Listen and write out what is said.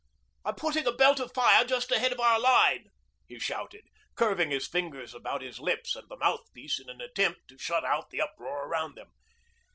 'I'm putting a belt of fire just ahead of our line,' he shouted, curving his fingers about his lips and the mouthpiece in an attempt to shut out the uproar about them.